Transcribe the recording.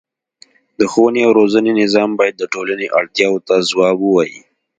د ښوونې او روزنې نظام باید د ټولنې اړتیاوو ته ځواب ووايي.